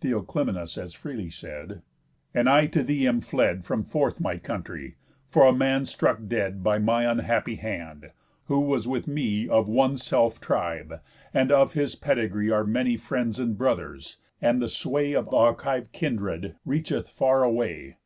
Theoclymenus As freely said: "And I to thee am fled From forth my country, for a man struck dead By my unhappy hand, who was with me Of one self tribe, and of his pedigree Are many friends and brothers, and the sway Of Achive kindred reacheth far away.